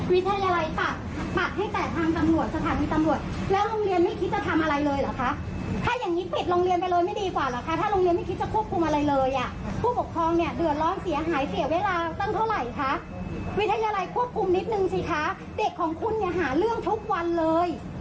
วิทยาลัยควบคุมนิดนึงสิคะเด็กของคุณหาเรื่องทุกวันเลย